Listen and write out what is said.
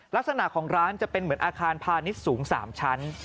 ลักษณะของร้านจะเป็นเหมือนอาคารพาณิชย์สูง๓ชั้น